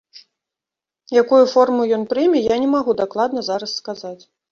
Якую форму ён прыме, я не магу дакладна зараз сказаць.